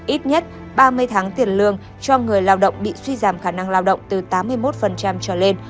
ít nhất ba mươi tháng tiền lương cho người lao động bị suy giảm khả năng lao động từ tám mươi một trở lên